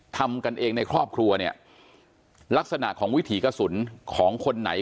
ทำกันเองในครอบครัวเนี่ยลักษณะของวิถีกระสุนของคนไหน